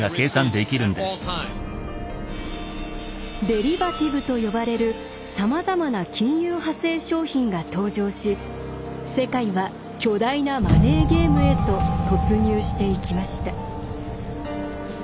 「デリバティブ」と呼ばれるさまざまな金融派生商品が登場し世界は巨大なマネーゲームへと突入していきました。